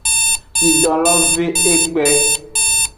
Nyidon lo ve egbe.